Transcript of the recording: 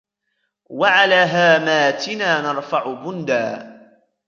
وعلى هاماتنا نرفع بندا